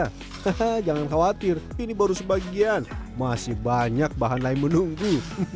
hahaha jangan khawatir ini baru sebagian masih banyak bahan lain menunggu